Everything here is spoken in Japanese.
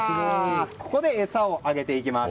ここで、餌をあげていきます。